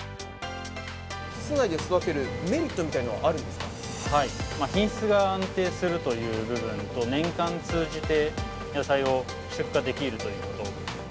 室内で育てるメリットみたい品質が安定するという部分と、年間通じて、野菜を出荷できるということ。